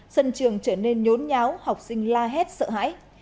sân trường trở nên nhốn nháo học sinh la hét sợ hãi